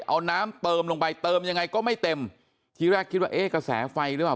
เอาน้ำเติมลงไปเติมยังไงก็ไม่เต็มทีแรกคิดว่าเอ๊ะกระแสไฟหรือเปล่า